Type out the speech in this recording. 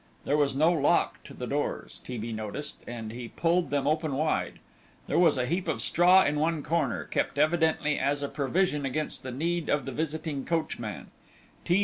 There was no lock to the doors, T. B. noticed, and he pulled them open wide. There was a heap of straw in one corner, kept evidently as a provision against the need of the visiting coachman.